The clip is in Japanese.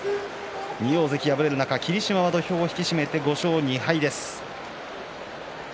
２大関敗れる中霧島は土俵を引き締めて５勝２敗です。